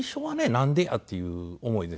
なんでや？っていう思いですよね。